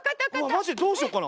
マジでどうしようかな。